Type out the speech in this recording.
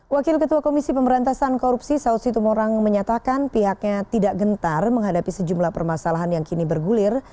wakil ketua komisi pemberantasan korupsi saud situmorang menyatakan pihaknya tidak gentar menghadapi sejumlah permasalahan yang kini bergulir